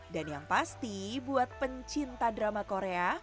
dan yang pasti buat pencinta drama korea